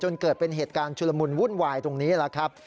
เกิดเป็นเหตุการณ์ชุลมุนวุ่นวายตรงนี้แหละครับ